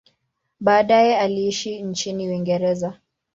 Baadaye aliishi nchini Uingereza.